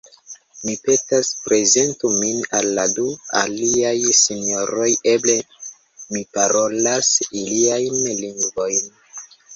Mi petas: prezentu min al la du aliaj sinjoroj; eble mi parolas iliajn lingvojn.